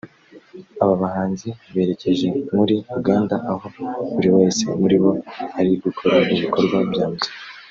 Aba bahanzi berekeje muri Uganda aho buri wese muri bo ari gukora ibikorwa bya muzika